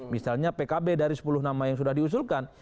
misalnya pkb dari sepuluh nama yang sudah diusulkan